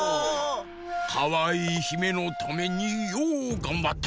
かわいいひめのためにようがんばった！